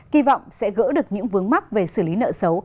kỳ vọng sẽ gỡ được những vướng mắc về xử lý nợ xấu